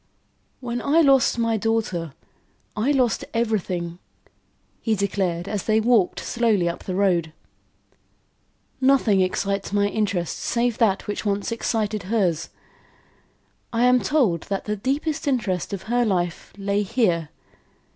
"When I lost my daughter, I lost everything," he declared, as they walked slowly up the road. "Nothing excites my interest, save that which once excited hers. I am told that the deepest interest of her life lay here.